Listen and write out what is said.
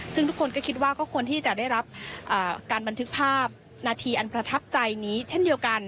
ซึ่งทุกคนก็คิดว่าก็ควรที่จะได้รับการบันทึกภาพนาทีอันประทับใจนี้เช่นเดียวกัน